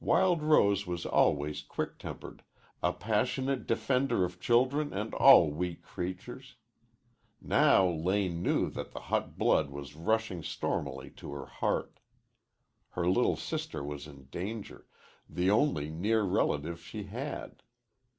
Wild Rose was always quick tempered, a passionate defender of children and all weak creatures. Now Lane knew that the hot blood was rushing stormily to her heart. Her little sister was in danger, the only near relative she had.